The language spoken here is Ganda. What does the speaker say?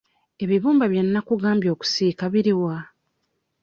Ebibumba bye nnakugambye okusiika biri wa?